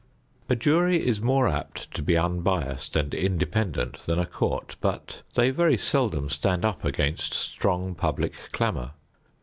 A jury is more apt to be unbiased and independent than a court, but they very seldom stand up against strong public clamor.